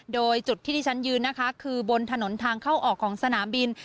โดยจุดที่ที่ฉันยืนนะคะคือบนถนนทางเข้าออกของสนามบิน